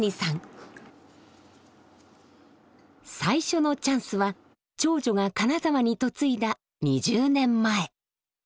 最初のチャンスは長女が金沢に嫁いだ２０年前。